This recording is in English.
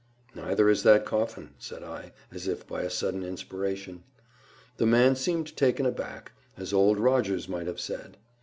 "Neither is that coffin," said I, as if by a sudden inspiration. The man seemed taken aback, as Old Rogers might have said.